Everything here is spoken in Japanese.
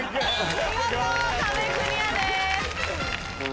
見事壁クリアです。